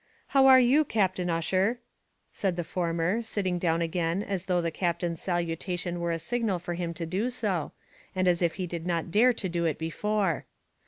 "How are you, Captain Ussher?" said the former, sitting down again as though the Captain's salutation were a signal for him to do so, and as if he did not dare do it before.